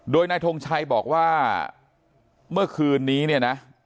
โดยนายทงชัยบอกว่าเมื่อคืนนี้